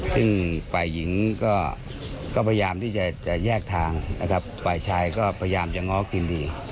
ซึ่งฝ่ายหญิงก็พยายามที่จะแยกทางนะครับฝ่ายชายก็พยายามจะง้อคืนดี